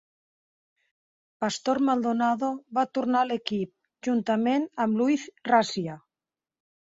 Pastor Maldonado va tornar a l'equip, juntament amb Luiz Razia.